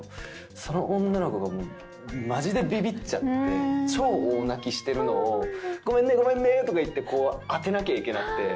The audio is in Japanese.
その女の子がマジでビビっちゃって超大泣きしてるのを「ごめんねごめんね」って当てなきゃいけなくて。